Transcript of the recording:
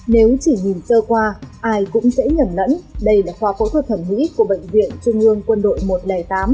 nếu chỉ nhìn trơ qua ai cũng sẽ nhẩn lẫn đây là khoa phẫu thuật thẩm mỹ của bệnh viện trung ương quân đội một trăm linh tám